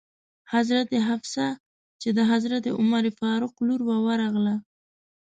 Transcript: حضرت حفصه چې د حضرت عمر فاروق لور وه ورغله.